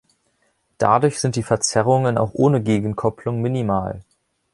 Dadurch sind die Verzerrungen auch ohne Gegenkopplung minimal.